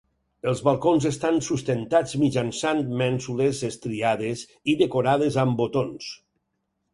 Els balcons estan sustentats mitjançant mènsules estriades i decorades amb botons.